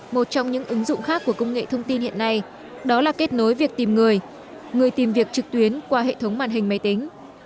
một trong những ứng dụng khác của công nghệ thông tin hiện nay đó là kết nối việc tìm người người tìm việc trực tuyến qua hệ thống màn hình máy tính